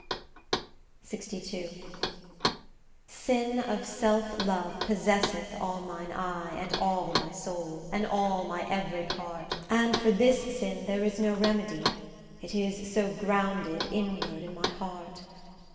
LXII Sin of self love possesseth all mine eye And all my soul, and all my every part; And for this sin there is no remedy, It is so grounded inward in my heart.